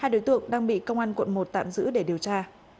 hai đối tượng đang bị công an quận một tạm giữ để điều tra